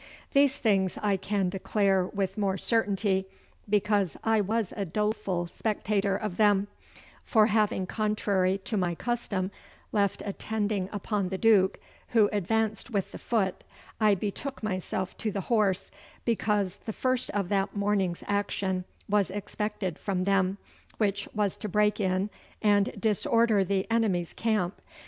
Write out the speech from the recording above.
These things I can declare with more certainty, because I was a doleful spectator of them; for having contrary to my custom left attending upon the Duke, who advanced with the foot, I betook myself to the horse, because the first of that morning's action was expected from them, which was to break in and disorder the enemy's camp.